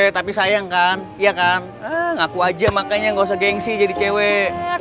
tapi sayang kan ya kan ngaku aja makanya gak usah gengsi jadi cewek